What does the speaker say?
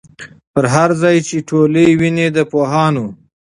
پر هر ځای چي ټولۍ وینی د پوهانو